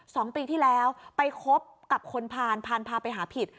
สองปีที่แล้วไปคบกับคนพานพานพาไปหาผิด